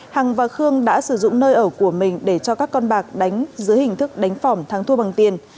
hằng và khương đã sử dụng nơi ở của mình để cho các con bạc đánh dưới hình thức đánh phòng thắng thua bằng tiền